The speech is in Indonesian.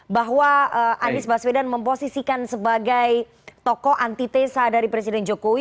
bahwa anies baswedan memposisikan sebagai tokoh antitesa dari presiden jokowi